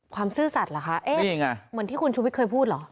ความซื่อสัตว์หรอคะนี่ไงเหมือนที่คุณชึวิทเคยพูดหรอ